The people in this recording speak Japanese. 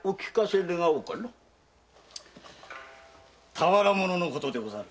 俵物のことでござる。